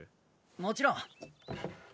もちろん。